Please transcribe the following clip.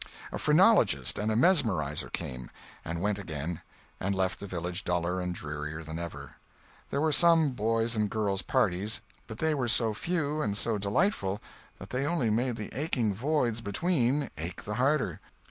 A phrenologist and a mesmerizer came—and went again and left the village duller and drearier than ever. There were some boys and girls' parties, but they were so few and so delightful that they only made the aching voids between ache the harder.